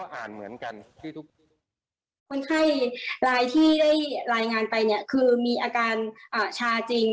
คนไข้รายที่ได้รายงานไปคือมีอาการช้าจริง